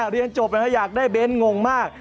เรียนจบแล้วอยากได้เบ้นต์งงมาก